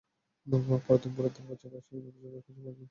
পরদিন ভোরে দেড় বছর বয়সী ডিপজলকে ঘরে খুঁজে পাওয়া যাচ্ছিল না।